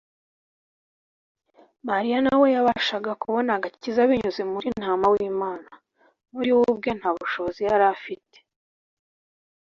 ; Mariya na we yabashaga kubona agakiza binyuze muri Ntama w’Imana. Muri we ubwe nta bushobozi yari afite.